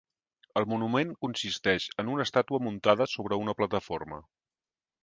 El monument consisteix en una estàtua muntada sobre una plataforma.